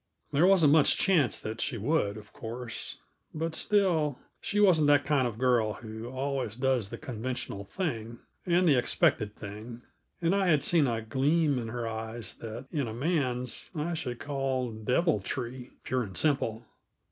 There wasn't much chance that she would, of course; but, still, she wasn't that kind of girl who always does the conventional thing and the expected thing, and I had seen a gleam in her eyes that, in a man's, I should call deviltry, pure and simple.